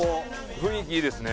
雰囲気いいですね。